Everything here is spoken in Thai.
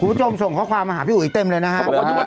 คุณผู้ชมส่งข้อความมาหาพี่อุ๋ยเต็มเลยนะฮะ